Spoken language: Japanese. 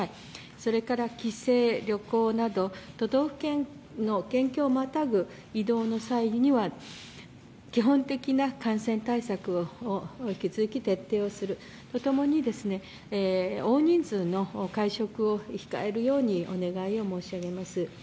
それから帰省、旅行など都道府県の県境をまたぐ移動の際には基本的な感染対策を引き続き徹底するとともに大人数の会食を控えるようにお願い申し上げます。